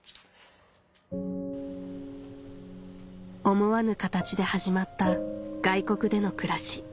思わぬ形で始まった外国での暮らし